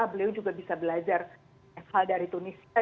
beliau juga bisa belajar hal dari tunisia